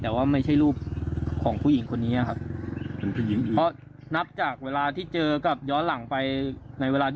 แต่ว่าไม่ใช่รูปของผู้หญิงคนนี้ครับเพราะนับจากเวลาที่เจอกับย้อนหลังไปในเวลา